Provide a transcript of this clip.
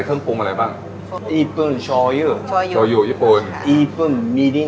ฟังไทยได้ไหม